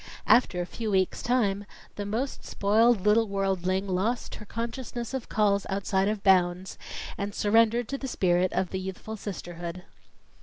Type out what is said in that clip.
After a few weeks' time, the most spoiled little worldling lost her consciousness of calls outside of "bounds," and surrendered to the spirit of the youthful sisterhood.